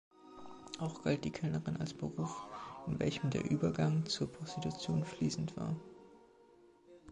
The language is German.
Auch galt die Kellnerin als Beruf, in welchem der Übergang zur Prostitution fließend war.